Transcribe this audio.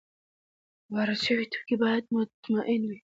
وارد شوي توکي باید مطمین وي.